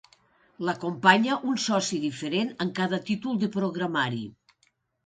L'acompanya un soci diferent en cada títol de programari.